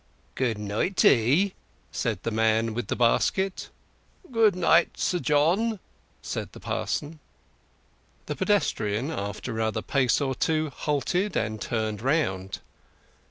"Good night t'ee," said the man with the basket. "Good night, Sir John," said the parson. The pedestrian, after another pace or two, halted, and turned round.